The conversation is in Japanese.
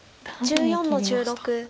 単に切りました。